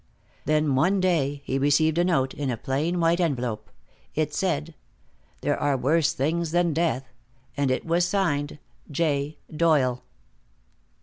Then one day he received a note, in a plain white envelope. It said: "There are worse things than death." And it was signed: "J. Doyle."